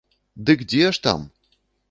Дык дзе ж там!